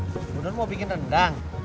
tumben dong mau bikin rendang